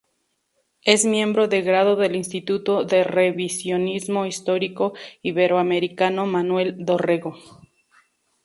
Es miembro de grado del Instituto de Revisionismo Histórico Iberoamericano Manuel Dorrego.